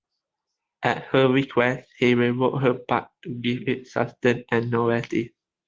At her request, he rewrote her part to give it substance and novelty.